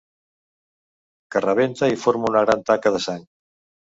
Que rebenta i forma una gran taca de sang.